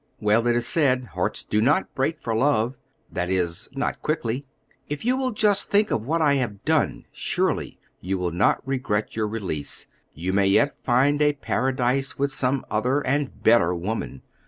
Well, it is said hearts do not break for love, that is, not quickly. If you will just think of what I have done, surely you will not regret your release; you may yet find a paradise with some other and better woman.